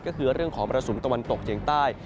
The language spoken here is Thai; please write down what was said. ก็คือเรื่องของมรสุมตะวันตกเฉียงใต้